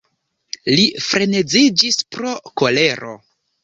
Li freneziĝis pro kolero.